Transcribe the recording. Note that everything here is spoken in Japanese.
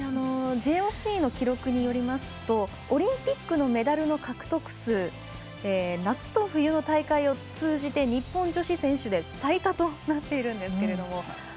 ＪＯＣの記録によりますとオリンピックのメダルの獲得数夏と冬の大会を通じて日本女子選手で最多となっているんですけれども。